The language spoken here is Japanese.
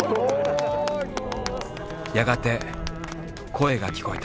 やがて声が聞こえた。